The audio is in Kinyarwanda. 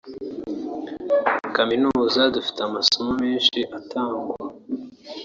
“Kaminuza dufite amasomo menshi atangwa